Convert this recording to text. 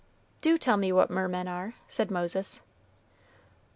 "Do tell me what mermen are," said Moses.